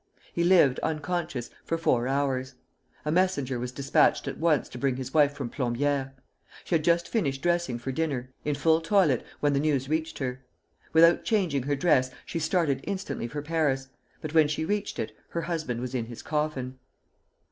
He lived, unconscious, for four hours. A messenger was despatched at once to bring his wife from Plombières. She had just finished dressing for dinner, in full toilet, when the news reached her. Without changing her dress, she started instantly for Paris, but when she reached it, her husband was in his coffin.